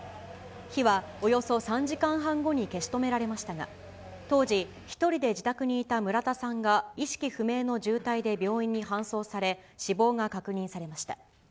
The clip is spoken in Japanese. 火はおよそ３時間半後に消し止められましたが、当時、１人で自宅にいた村田さんが意識不明の重体で病院に搬送され、死亡が確認されました。